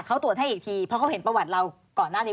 เขาตรวจให้อีกทีเพราะเขาเห็นประวัติเราก่อนหน้านี้